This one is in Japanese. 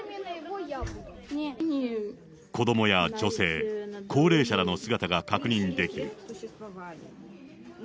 子どもや女性、高齢者らの姿が確認できる。